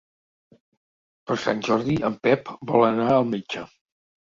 Per Sant Jordi en Pep vol anar al metge.